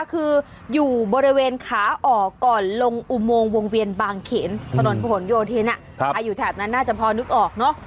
คืออยู่บริเวณขาออกก่อนลงอุโมงวงเวียนบางเขนถนนผนโยธินใครอยู่แถบนั้นน่าจะพอนึกออกเนอะ